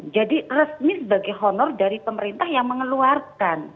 jadi resmi sebagai honor dari pemerintah yang mengeluarkan